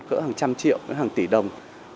cỡ hàng trăm triệu hàng tỷ đồng